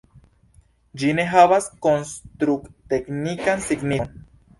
Ĝi ne havas konstru-teknikan signifon.